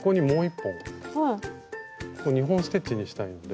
ここ２本ステッチにしたいので。